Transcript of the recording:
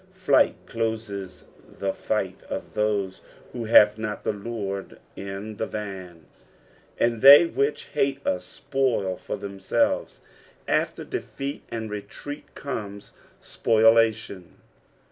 Flight closes the Aght of those who have not the Lord in the van. "And tli^y whieh _<oil far themielvet." After defeat and retreat, comes spoliatioo.